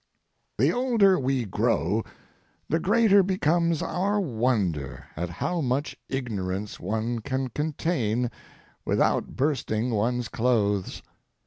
The older we grow the greater becomes our wonder at how much ignorance one can contain without bursting one's clothes.